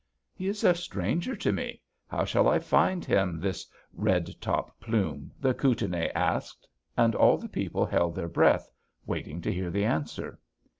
"'He is a stranger to me. How shall I find him this Red Top Plume?' the Kootenai asked; and all the people held their breath, waiting to hear the answer.